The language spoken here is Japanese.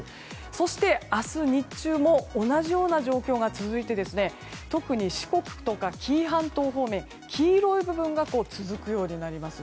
そして、明日日中も同じような状況が続いて特に、四国とか紀伊半島方面黄色い部分が続くようになります。